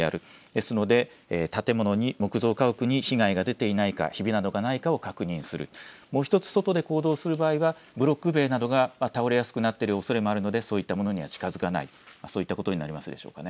ですので建物に、木造家屋に被害が出ていないか、ひびなどがないかを確認する、もう１つ外で行動する場合はブロック塀などが倒れやすくなっているおそれもあるのでそういったものには近づかない、そういったことになりますでしょうか。